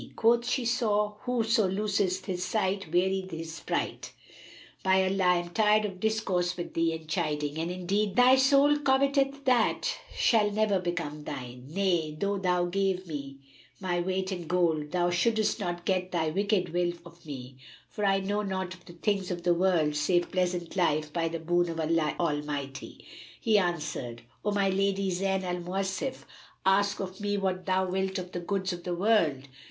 Quoth the saw 'Whoso looseth his sight wearieth his sprite.' By Allah, I am tired of discourse with thee and chiding, and indeed thy soul coveteth that shall never become thine; nay, though thou gave me my weight in gold, thou shouldst not get thy wicked will of me; for, I know naught of the things of the world, save pleasant life, by the boon of Allah Almighty!" He answered, "O my lady Zayn al Mawasif, ask of me what thou wilt of the goods of the world."